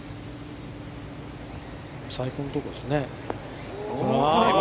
最高のとこですね。